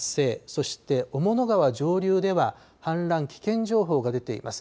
そして、雄物川上流では氾濫危険情報が出ています。